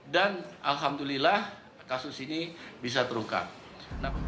dan alhamdulillah kasus ini bisa terungkap